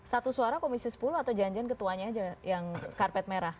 satu suara komisi sepuluh atau janjian ketuanya aja yang karpet merah